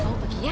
kamu pergi ya